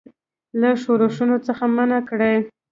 له ښورښونو څخه منع کړي.